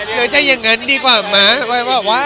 หรือยังงั้นดีกว่ามั้น